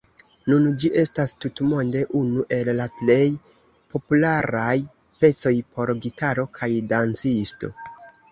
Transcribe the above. Nun ĝi estas tutmonde unu el la plej popularaj pecoj por gitaro kaj dancisto.